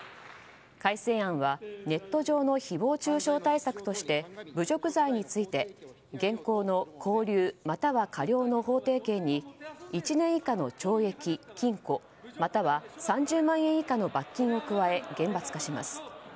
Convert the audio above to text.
改正案はネット上の誹謗中傷対策として侮辱罪について現行の拘留または科料の法定刑に１年以下の懲役・禁錮または３０万円以下の罰金を加え厳罰化します。